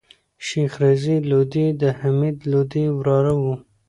شېخ رضي لودي دحمید لودي وراره وو.